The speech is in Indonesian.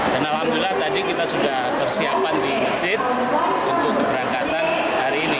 dan alhamdulillah tadi kita sudah bersiapan di mesin untuk berangkatan hari ini